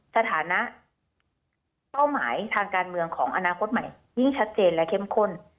สถานะเป้าหมายทางการเมืองของอนาคตใหม่ยิ่งชัดเจนและเข้มข้น